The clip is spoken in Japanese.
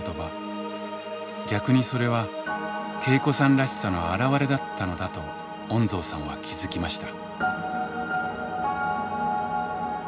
逆にそれは恵子さんらしさの表れだったのだと恩蔵さんは気付きました。